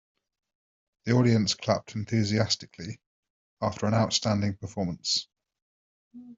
The audience clapped enthusiastically after an outstanding performance.